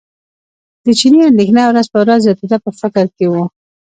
د چیني اندېښنه ورځ په ورځ زیاتېده په فکر کې و.